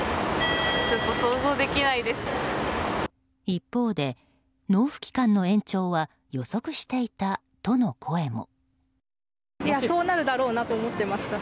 一方で納付期間の延長は予測していたとの声も。